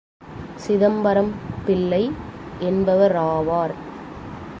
Chidambaram Pillai என்பவராவார்.